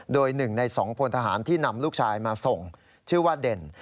โดย๑ใน๒พลทหารที่นำลูกชายมาส่งชื่อว่าเด่น